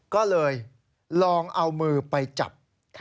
ก็เลยลองเอามือไปจับ